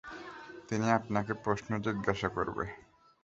তিনি আপনাকে প্রশ্ন জিজ্ঞাসা করবে।